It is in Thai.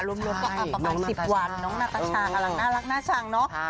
รวมก็ประมาณ๑๐วันน้องนาตาชากำลังน่ารักน่าชังเนาะ